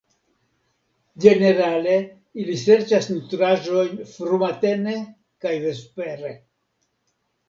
Ĝenerale ili serĉas nutraĵojn frumatene kaj vespere.